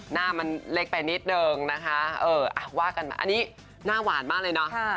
หน้ามันเล็กไปนิดนึงนะคะว่ากันมาอันนี้หน้าหวานมากเลยเนาะ